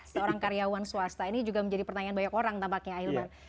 seorang karyawan swasta ini juga menjadi pertanyaan banyak orang tampaknya ahilman